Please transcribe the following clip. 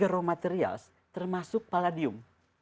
dua puluh tiga raw materials termasuk palladium